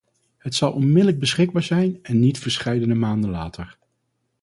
Het zal onmiddellijk beschikbaar zijn, en niet verscheidene maanden later.